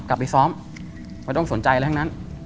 กลับไปซ้อมไม่ต้องสนใจอะไรทั้งนั้น